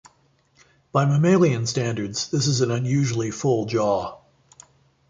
By mammalian standards, this is an unusually full jaw.